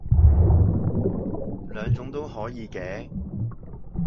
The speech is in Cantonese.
兩種都可以嘅